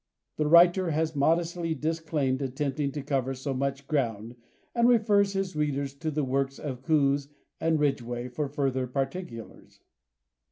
The writer has modestly disclaimed attempting to cover so much ground and refers his readers to the works of Coues and Ridgway for further particulars.